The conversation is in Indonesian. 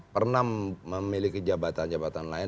pernah memiliki jabatan jabatan lain